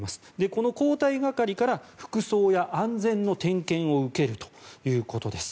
この交代係から服装や安全の点検を受けるということです。